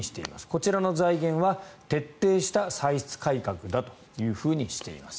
こちらの財源は徹底した歳出改革だとしています。